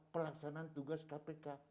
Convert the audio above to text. pelaksanaan tugas kpk